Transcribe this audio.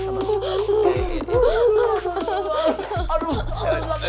aduh aduh aduh aduh